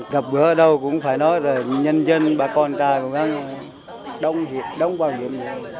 gặp gỡ ở đâu cũng phải nói là nhân dân bà con cả cũng đang đóng bảo hiểm